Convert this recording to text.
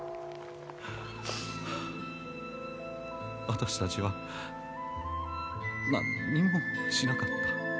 私たちは何にもしなかった。